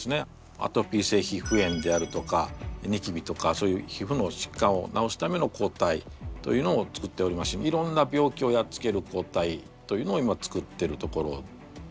アトピー性ひふ炎であるとかにきびとかそういうひふのしっかんを治すための抗体というのも作っておりますしいろんな病気をやっつける抗体というのを今作ってるところですね。